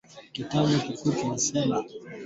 Katibu Mkuu alisema kuwa serikali inatathmini kiwango